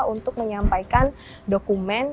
untuk menyampaikan dokumen